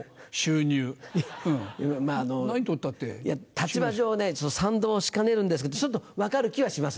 立場上賛同しかねるんですけどちょっと分かる気はしますね。